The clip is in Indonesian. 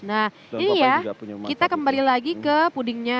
nah ini ya kita kembali lagi ke pudingnya